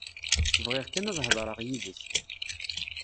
Bɣiɣ kan ad hedreɣ yid-k.